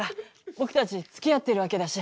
僕たちつきあってるわけだし。